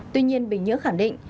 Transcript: tuy nhiên bình nhưỡng khẳng định